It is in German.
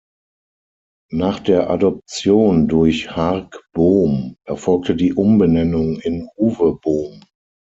Nach der Adoption durch Hark Bohm erfolgte die Umbenennung in Uwe Bohm.